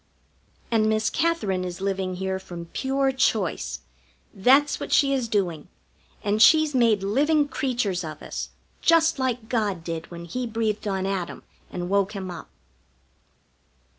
And Miss Katherine is living here from pure choice. That's what she is doing, and she's made living creatures of us, just like God did when He breathed on Adam and woke him up.